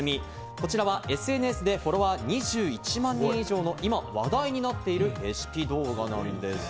こちらはＳＮＳでフォロワー２１万人以上の今、話題になっているレシピ動画なんです。